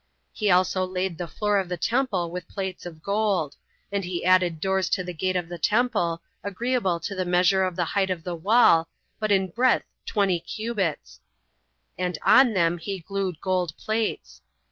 He also laid the floor of the temple with plates of gold; and he added doors to the gate of the temple, agreeable to the measure of the height of the wall, but in breadth twenty cubits, and on them he glued gold plates.